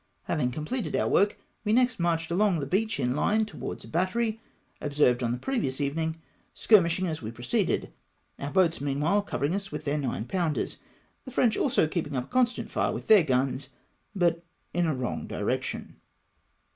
Having completed our work, we next marched along the beach in hue towards a battery, observed on the previous evening, skii mishing as we proceeded, our boats meanwliile covering us with their 9 pounders ; the French also keeping up a constant fire with theii guns, but in a wrong dkection.